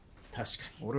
確かに。